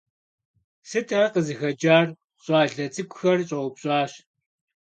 Sıt ar khızıxeç'ar? - ş'ale ts'ık'uxer ş'eupş'aş.